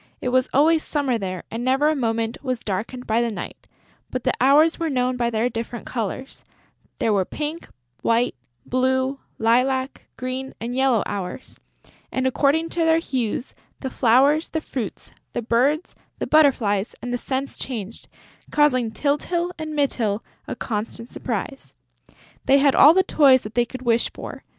It was always summer there and never a moment was darkened by the night; but the hours were known by their different colours; there were pink, white, blue, lilac, green and yellow hours; and, according to their hues, the flowers, the fruits, the birds, the butterflies and the scents changed, causing Tyltyl and Mytyl a constant surprise. They had all the toys that they could wish for.